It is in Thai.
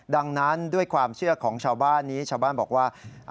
ดังนั้นด้วยความเชื่อของชาวบ้านนี้ชาวบ้านบอกว่า